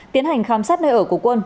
tiến hành khám sát nơi ở của quân